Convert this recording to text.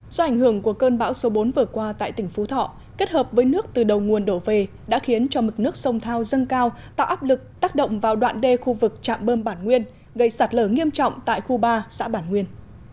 do ảnh hưởng của cơn bão số bốn vừa qua tại tỉnh phú thọ kết hợp với nước từ đầu nguồn đổ về đã khiến cho mực nước sông thao dâng cao tạo áp lực tác động vào đoạn đê khu vực trạm bơm bản nguyên gây sạt lở nghiêm trọng tại khu ba xã bản nguyên